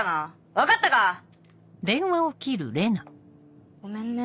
分かったか⁉ごめんね。